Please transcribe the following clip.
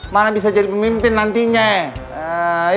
mana bisa jadi pemimpin nantinya